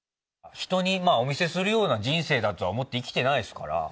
人にお見せするような人生だとは思って生きてないですから。